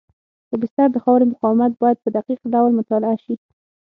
د بستر د خاورې مقاومت باید په دقیق ډول مطالعه شي